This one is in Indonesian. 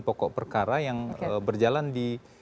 pokok perkara yang berjalan di